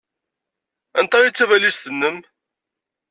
Anta ay d tabalizt-nnem?